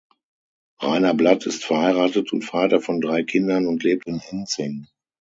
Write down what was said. Rainer Blatt ist verheiratet und Vater von drei Kindern und lebt in Inzing.